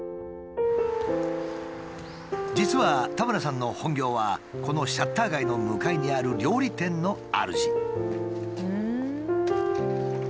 実は田村さんの本業はこのシャッター街の向かいにある料理店の主。